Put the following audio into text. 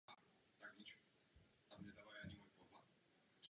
Z uvedených důvodů proto hlasujeme proti této zprávě.